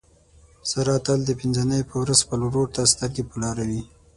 ساره تل د پینځه نۍ په ورخ خپل ورور ته سترګې په لاره وي.